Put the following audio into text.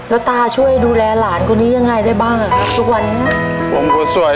แล้วตาช่วยดูแลหลานคนนี้ยังไงได้บ้างอ่ะครับทุกวันนี้ผมก็สวย